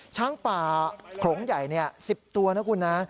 ช้างป่าโขลงใหญ่๑๐ตัวนะคุณนะ